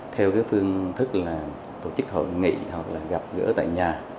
theo cái phương thức là tổ chức hội nghị hoặc là gặp gỡ tại nhà